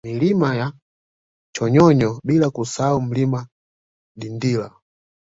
Milima ya Chonyonyo bila kusahau Mlima Dindila